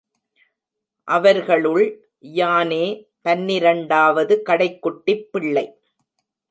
அவர் களுள், யானே, பன்னிரண்டாவது கடைக்குட்டிப் பிள்ளை.